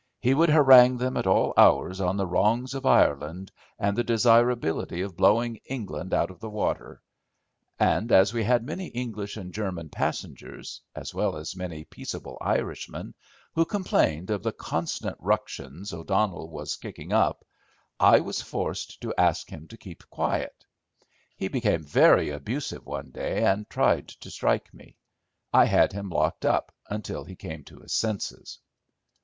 He would harangue them at all hours on the wrongs of Ireland, and the desirability of blowing England out of the water; and as we had many English and German passengers, as well as many peaceable Irishmen, who complained of the constant ructions O'Donnell was kicking up, I was forced to ask him to keep quiet. He became very abusive one day and tried to strike me. I had him locked up until he came to his senses.